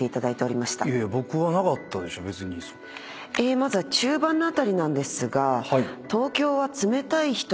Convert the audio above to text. まずは中盤の辺りなんですが。